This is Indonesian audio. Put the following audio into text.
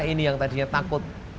ini yang tadinya takut